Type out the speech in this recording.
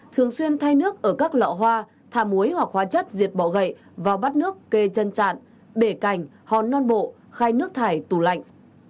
hai thường xuyên thay nước ở các lọ hoa thả muối hoặc hóa chất diệt bọ gậy vào bát nước kê chân trạn bể cành hòn non bộ khai nước thải tủ lạnh